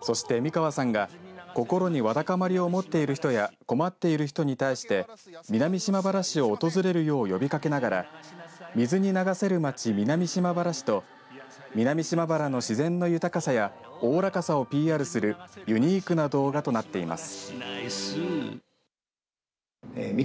そして美川さんが心にわだかまりを持っている人や困っている人に対して南島原市を訪れるよう呼びかけながら水に流せるまち南島原市と南島原の自然の豊かさやおおらかさをＰＲするユニークな動画となっています。